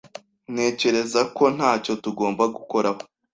Ntekereza ko ntacyo tugomba gukoraho.